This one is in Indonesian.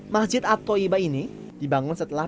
masjid ab toyiba ini dibangun setelah